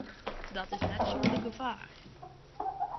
Dat is net sûnder gefaar.